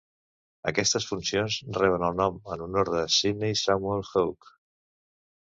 Aquestes funcions reben el nom en honor a Sydney Samuel Hough.